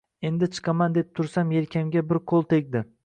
Endi chiqaman deb tursam yelkamga bir qoʻl tegdi